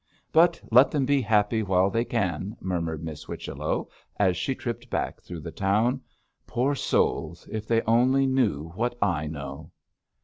'But let them be happy while they can,' murmured Miss Whichello, as she tripped back through the town. 'Poor souls, if they only knew what I know.'